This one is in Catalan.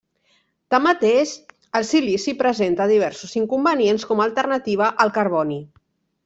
Tanmateix, el silici presenta diversos inconvenients com a alternativa al carboni.